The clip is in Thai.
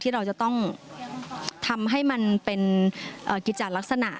เราจะต้องทำให้มันเป็นกิจจัดลักษณะ